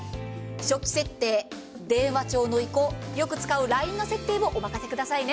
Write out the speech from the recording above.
初期設定、電話帳の移行、よく使うＬＩＮＥの設定もお任せくださいね。